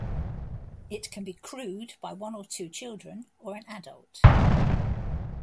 It can be crewed by one or two children or an adult.